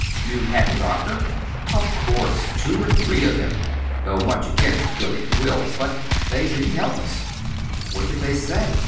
"You've had the doctor?" "Of course; two or three of them though much against Billy's will. But they didn't help us." "What did they say?"